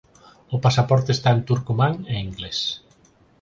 O pasaporte está en turcomán e inglés.